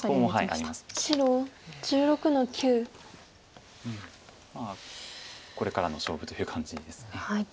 まあこれからの勝負という感じです。